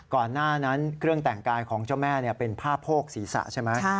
ก่อนหน้านั้นเครื่องแต่งกายของเจ้าแม่เป็นผ้าโพกศีรษะใช่ไหม